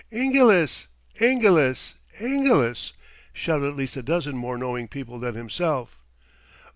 "Ingilis! Ingilis! Ingilis!" shout at least a dozen more knowing people than himself.